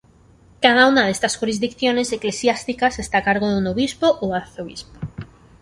Cada una de estas jurisdicciones eclesiásticas está a cargo de un obispo o arzobispo.